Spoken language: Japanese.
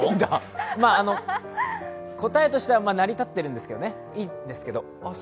答えとしては成り立っているんですけどね、いいんですけど。